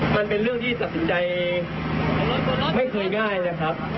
มันเป็นเรื่องที่ตัดสินใจไม่เคยง่ายนะครับ